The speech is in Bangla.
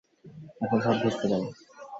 এখন সব ভেস্তে যাবে।